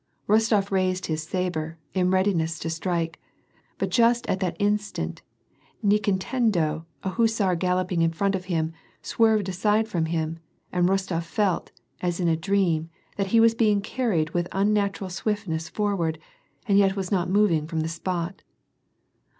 Rostof raised his sabre, in readiness to strike, but just at that instant Nikitenko, a hussar galloping in front of him, swerved aside from him, and Rostof felt, as in a dream, that he was being carried with unnatural swiftness forward, and yet was not moving from the spot.